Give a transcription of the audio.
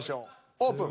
オープン。